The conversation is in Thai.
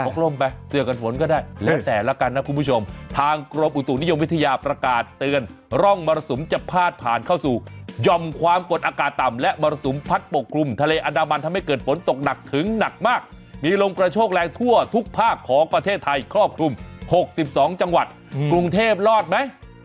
กรมไปเสือกันฝนก็ได้แล้วแต่ละกันนะคุณผู้ชมทางกรมอุตุนิยมวิทยาประกาศเตือนร่องมรสุมจะพาดผ่านเข้าสู่หย่อมความกดอากาศต่ำและมรสุมพัดปกคลุมทะเลอันดามันทำให้เกิดฝนตกหนักถึงหนักมากมีลมกระโชกแรงทั่วทุกภาคของประเทศไทยครอบคลุม๖๒จังหวัดกรุงเทพรอดไหม